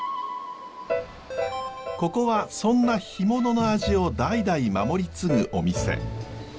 ここはそんな干物の味を代々守り継ぐお店。